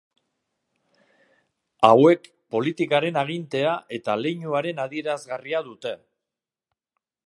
Hauek, politikaren agintea eta leinuaren adierazgarria dute.